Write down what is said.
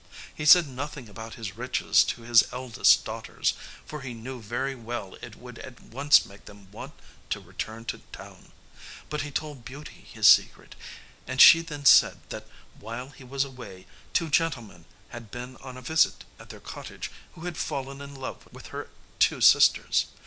He said nothing about his riches to his eldest daughters, for he knew very well it would at once make them want to return to town; but he told Beauty his secret, and she then said that while he was away two gentlemen had been on a visit at their cottage who had fallen in love with her two sisters.